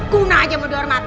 guna aja mau dihormati